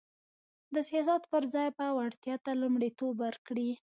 د سیاست پر ځای به وړتیا ته لومړیتوب ورکړي